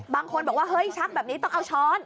บางคนบอกว่าเฮ้ยชักแบบนี้ต้องเอาช้อน